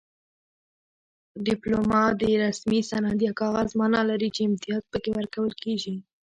ډیپلوما د رسمي سند یا کاغذ مانا لري چې امتیاز پکې ورکول کیږي